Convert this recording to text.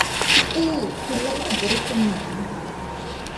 คิตตี้ คุณเล่นหมากรุกเป็นไหม ?